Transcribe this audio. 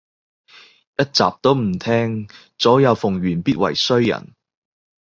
一集都唔聼，左右逢源必為衰人